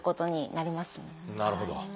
なるほど。